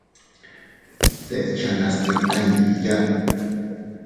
Dechanas tika iydiya.